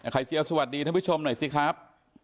ไข่เจียวสวัสดีนะครับ